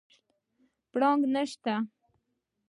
پړانګ نسته